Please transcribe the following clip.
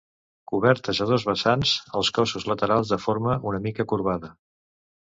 Cobertes a dos vessants, els cossos laterals de forma una mica corbada.